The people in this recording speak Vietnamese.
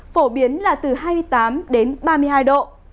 phổ biến là từ hai mươi tám đến ba mươi hai độ